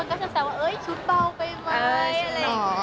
ทุกคนก็แสวว่าชุดเบาไปไหม